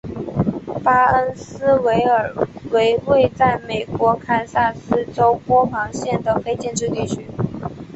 巴恩斯维尔为位在美国堪萨斯州波旁县的非建制地区。